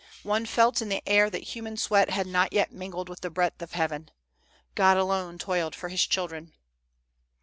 One felt in the air that human sweat had not yet mingled with the breath of heaven. God alone toiled for his children.